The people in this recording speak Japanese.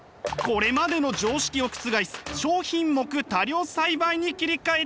これまでの常識を覆す少品目多量栽培に切り替えたい！